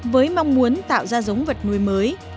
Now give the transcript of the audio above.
với mong muốn tạo ra giống vật nuôi mới